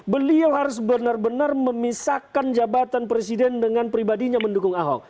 beliau harus benar benar memisahkan jabatan presiden dengan pribadinya mendukung ahok